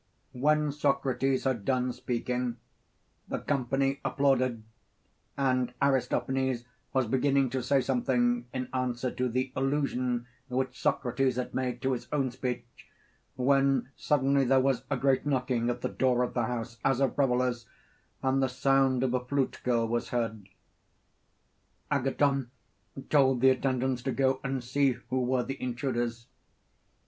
When Socrates had done speaking, the company applauded, and Aristophanes was beginning to say something in answer to the allusion which Socrates had made to his own speech, when suddenly there was a great knocking at the door of the house, as of revellers, and the sound of a flute girl was heard. Agathon told the attendants to go and see who were the intruders.